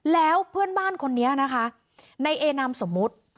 แล้วเพื่อนบ้านคนนี้นะคะในเอนามสมมุติ